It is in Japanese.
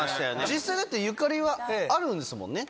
実際ゆかりはあるんですもんね？